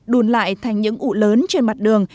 đùn lại thành những ụ lớn trên mặt đường